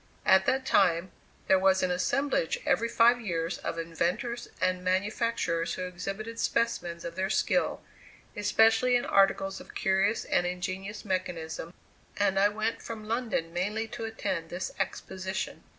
At that time, there was an assemblage, every five years, of inventors and manufacturers who exhibited specimens of their skill, especially in articles of curious and ingenious mechanism, and I went from London mainly to attend this exposition.